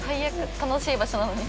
楽しい場所なのに。